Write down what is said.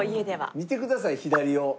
見てください左を。